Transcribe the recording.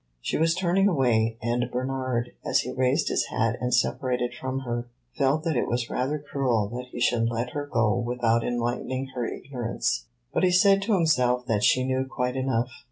She was turning away, and Bernard, as he raised his hat and separated from her, felt that it was rather cruel that he should let her go without enlightening her ignorance. But he said to himself that she knew quite enough.